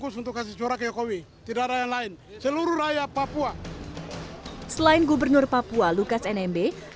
selain gubernur papua lukas nmb